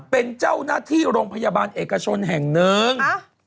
เป็นเจ้าหน้าที่โรงพยาบาลเอกชนแห่งหนึ่ง